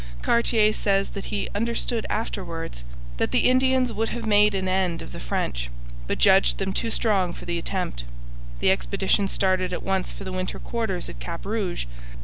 Cartier says that he 'understood afterwards' that the Indians would have made an end of the French, but judged them too strong for the attempt. The expedition started at once for the winter quarters at Cap Rouge.